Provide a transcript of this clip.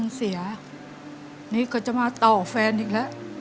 แล้วตอนนี้พี่พากลับไปในสามีออกจากโรงพยาบาลแล้วแล้วตอนนี้จะมาถ่ายรายการ